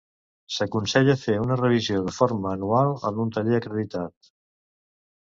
S'aconsella fer una revisió de forma anual en un taller acreditat.